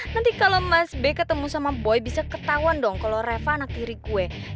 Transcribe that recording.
nanti kalo mas b ketemu sama boy bisa ketauan dong kalo reva anak diri gue